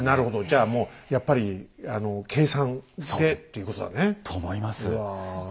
じゃあもうやっぱり計算でということだね。と思います。